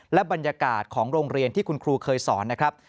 และบรรยากาศของโรงเรียนที่คุณครูเคยสอนนะครับ